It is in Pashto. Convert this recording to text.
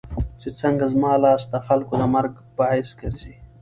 چې څنګه زما لاس دخلکو د مرګ باعث ګرځي